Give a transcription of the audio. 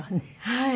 はい。